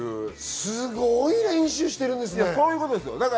すごい練習をしてるんですね。